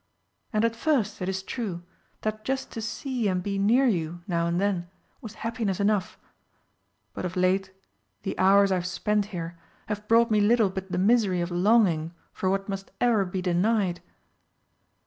And at first, it is true, that just to see and be near you now and then, was happiness enough but of late the hours I have spent here have brought me little but the misery of longing for what must ever be denied!"